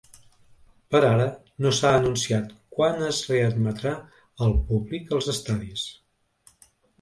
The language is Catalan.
Per ara, no s’ha anunciat quan es readmetrà el públic als estadis.